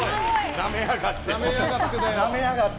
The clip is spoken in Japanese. なめやがって。